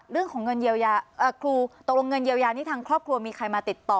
เรื่องของเงินเยียวยาครูตกลงเงินเยียวยานี้ทางครอบครัวมีใครมาติดต่อ